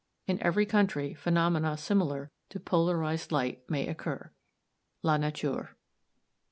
In every country phenomena similar to polarized light may occur. La Nature.